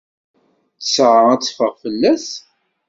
Ttesɛa ad teffeɣ fell-as?